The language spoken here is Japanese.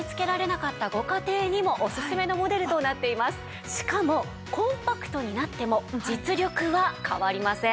ですのでしかもコンパクトになっても実力は変わりません。